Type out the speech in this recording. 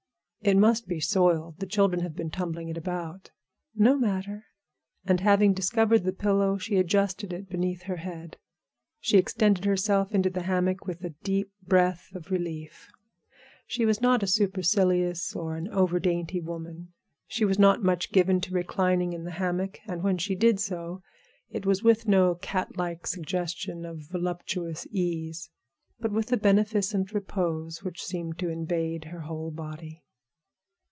"It must be soiled; the children have been tumbling it about." "No matter." And having discovered the pillow, she adjusted it beneath her head. She extended herself in the hammock with a deep breath of relief. She was not a supercilious or an over dainty woman. She was not much given to reclining in the hammock, and when she did so it was with no cat like suggestion of voluptuous ease, but with a beneficent repose which seemed to invade her whole body.